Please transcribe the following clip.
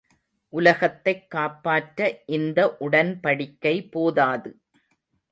உலகத்தைக் காப்பாற்ற இந்த உடன் படிக்கை போதாது.